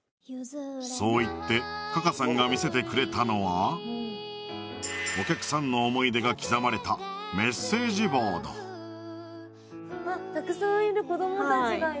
そう言ってかかさんが見せてくれたのはお客さんの思い出が刻まれたメッセージボードあったくさんいる子ども達